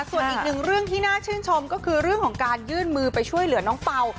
ส่วนอีกหนึ่งเรื่องที่น่าชื่นชมก็คือเรื่องของการยื่นมือไปช่วยเหลือน้องเป่า